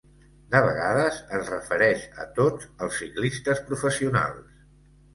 De vegades es refereix a tots els ciclistes professionals.